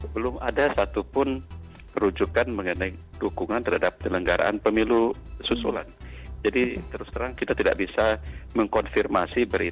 belum ada satupun perujukan mengenai